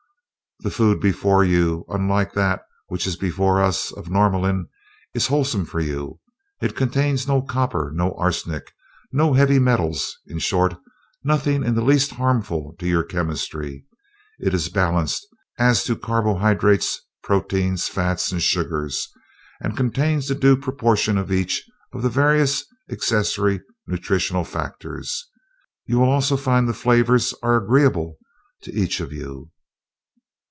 "The food before you, unlike that which is before us of Norlamin, is wholesome for you. It contains no copper, no arsenic, no heavy metals in short, nothing in the least harmful to your chemistry. It is balanced as to carbohydrates, proteins, fats and sugars, and contains the due proportion of each of the various accessory nutritional factors. You will also find the flavors are agreeable to each of you."